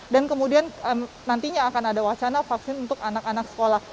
dan kemudian nantinya akan ada wacana vaksin untuk anak anak sekolah